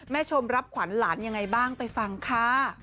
ชมรับขวัญหลานยังไงบ้างไปฟังค่ะ